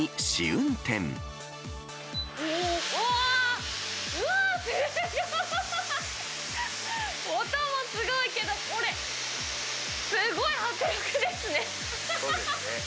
音もすごいけど、これ、すごい迫力ですね。